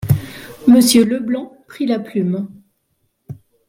Monsieur Leblanc prit la plume.